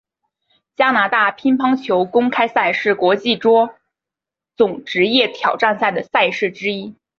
加拿大乒乓球公开赛是国际桌总职业挑战赛的赛事之一。